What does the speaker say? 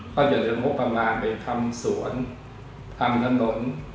ก็จะเหลืองบประมาณไปทำสวนทำถนน